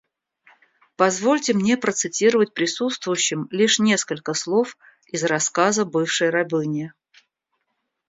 Позвольте мне процитировать присутствующим лишь несколько слов из рассказа бывшей рабыни.